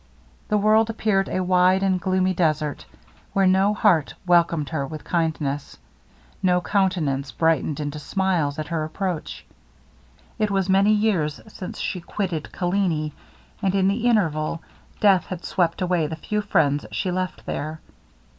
The world appeared a wide and gloomy desert, where no heart welcomed her with kindness no countenance brightened into smiles at her approach. It was many years since she quitted Calini and in the interval, death had swept away the few friends she left there.